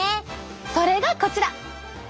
それがこちら！